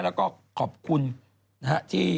แล้วก็ขอบคุณที่